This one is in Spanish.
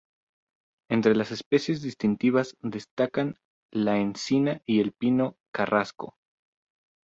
Entre las especies distintivas destacan la encina y el pino carrasco.